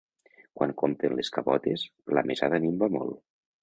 Quan compten les cabotes, la mesada minva molt.